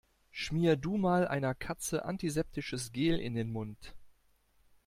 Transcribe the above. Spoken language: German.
Schmier du mal einer Katze antiseptisches Gel in den Mund.